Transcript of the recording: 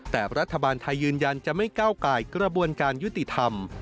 แต่รัฐบาลไทยยืนยันจะไม่ก้าวไก่กระบวนการยุติธรรม